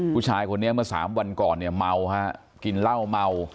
ผู้ชายคนนี้เมื่อสามวันก่อนเนี่ยเมาฮะกินเหล้าเมา